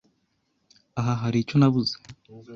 Ahari haricyo nabuze.